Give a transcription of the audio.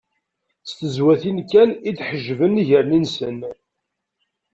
S tezwatin kan i d-ḥeǧben iger-nni-nsen.